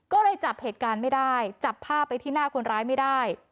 ก็เลยจับเหตุการณ์ไม่ได้จับภาพไปที่หน้าคนร้ายไม่ได้